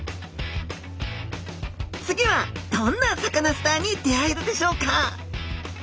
次はどんなサカナスターに出会えるでしょうか。